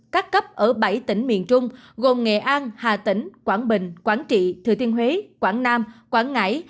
các cấp ở bảy tỉnh miền trung gồm nghệ an hà tĩnh quảng bình quảng trị thừa thiên huế quảng nam quảng ngãi